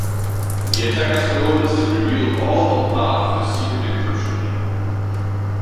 The attacker's goal is to reveal all or part of the secret encryption key.